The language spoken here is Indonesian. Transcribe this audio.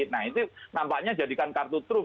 nah itu nampaknya jadikan kartu truf